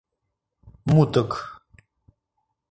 Мутык».